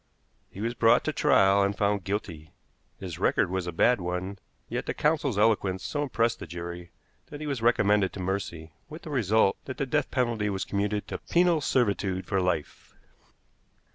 He was brought to trial, and found guilty. His record was a bad one, yet the counsel's eloquence so impressed the jury that he was recommended to mercy, with the result that the death penalty was commuted to penal servitude for life.